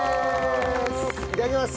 いただきます！